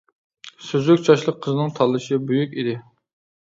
سۈزۈك چاچلىق قىزنىڭ تاللىشى بۈيۈك ئىدى.